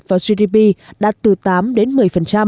và gdp đạt từ tám một mươi